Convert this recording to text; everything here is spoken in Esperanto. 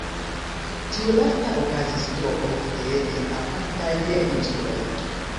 Tiu lasta okazis tro ofte en apartaj insuloj.